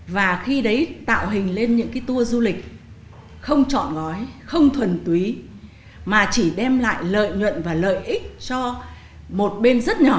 và khi đấy tạo hình lên những cái tour du lịch không chọn gói không thuần túy mà chỉ đem lại lợi nhuận và lợi ích cho một bên rất nhỏ